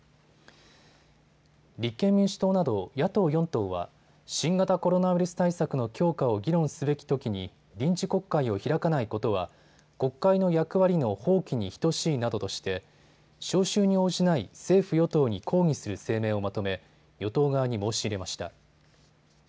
立憲民主党など野党４党は新型コロナウイルス対策の強化を議論すべきときに臨時国会を開かないことは国会の役割の放棄に等しいなどとして召集に応じない政府与党に抗議する声明をまとめ与党側に申し入れました。